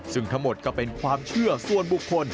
ซึ่งทั้งหมดก็เป็นความเชื่อส่วนบุคคล